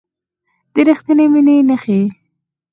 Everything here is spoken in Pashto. د ریښتینې مینې نښې